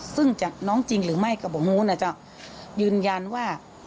ซึ่งทีน้องจริงหรือไม่ก็บอกโหม้น่ะจ้ะยืนยันว่า